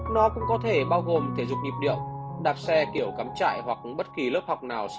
nó cũng có thể bao gồm thể dục nhịp điệu đạp xe kiểu cắm chạy hoặc bất kỳ lớp học nào sau đó